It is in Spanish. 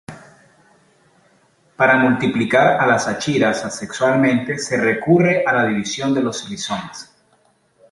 Para multiplicar a las achiras asexualmente se recurre a la división de los rizomas.